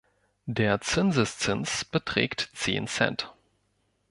Der Zinseszins beträgt zehn Cent.